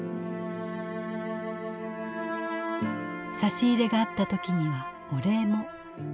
差し入れがあった時にはお礼も。